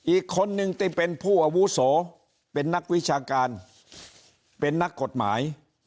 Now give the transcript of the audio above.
อีกคนนึงที่เป็นผู้อาวุโสเป็นนักวิชาการเป็นนักกฎหมาย